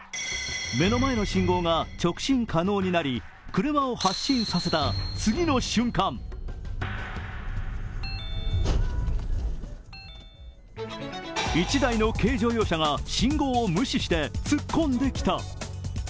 目の前の信号が直進可能になり、車を発進させた次の瞬間１台の軽乗用車が信号を無視して突っこんできた。